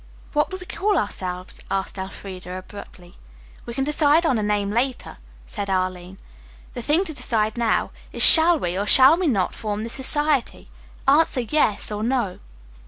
"What would we call ourselves?" asked Elfreda abruptly. "We can decide on a name later," said Arline. "The thing to decide now is, shall we or shall we not form this society? Answer yes or no?"